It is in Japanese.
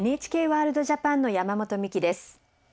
「ＮＨＫワールドＪＡＰＡＮ」の山本美希です。